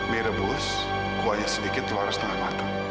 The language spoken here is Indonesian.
mie rebus kuahnya sedikit telurnya setengah mateng